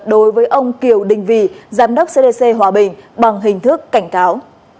đối với ông kiều đinh vy giám đốc cdc hòa bình bằng hình thức cảnh cáo